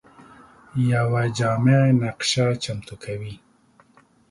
یوه جامع نقشه چمتو کوي.